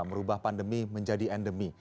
merubah pandemi menjadi endemi